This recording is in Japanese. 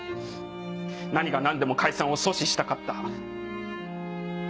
何が何でも解散を阻止したかった。